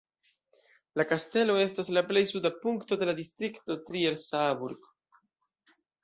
La kastelo estas la plej suda punkto de la distrikto Trier-Saarburg.